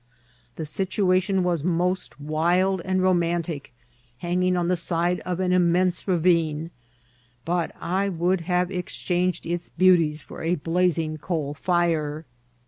The situation was most wild and romantic, hanging on the side of an immense ravine ; but I would have exchanged its beauties for a blazing coal fire.